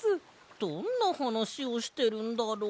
どんなはなしをしてるんだろう？